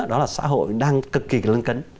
đó là xã hội đang cực kỳ lân cấn